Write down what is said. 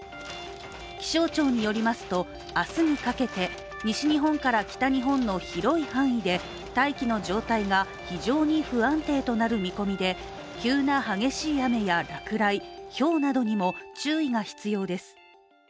気象庁によりますと、明日にかけて西日本から北日本の広い範囲で大気の状態が非常に不安定となる見込みで、急な激しい雨や落雷ひょうなどにも注意が必要です。